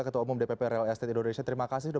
ketua umum dpp real estate indonesia terima kasih sudah